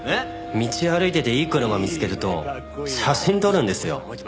道歩いてていい車見つけると写真撮るんですよ。